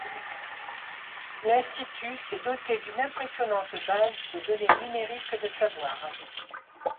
L’Institut s’est doté d’une impressionnante base de données numérique de savoir.